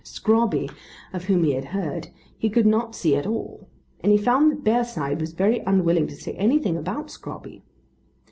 Scrobby, of whom he had heard, he could not see at all; and he found that Bearside was very unwilling to say anything about Scrobby.